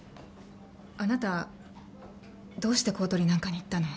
あなたどうして公取なんかに行ったの？